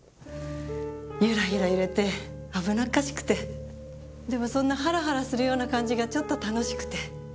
ゆらゆら揺れて危なっかしくてでもそんなハラハラするような感じがちょっと楽しくて。